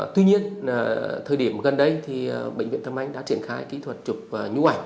tuy nhiên thời điểm gần đây thì bệnh viện tâm anh đã triển khai kỹ thuật trục nhũ ảnh